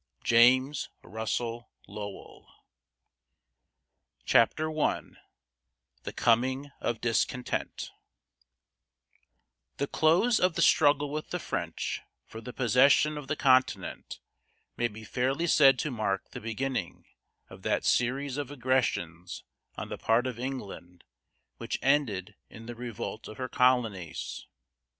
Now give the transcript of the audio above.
JAMES RUSSELL LOWELL. CHAPTER I THE COMING OF DISCONTENT The close of the struggle with the French for the possession of the continent may be fairly said to mark the beginning of that series of aggressions on the part of England which ended in the revolt of her colonies.